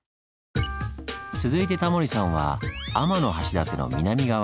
続いてタモリさんは天橋立の南側へ。